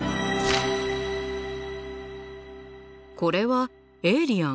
これはエイリアン？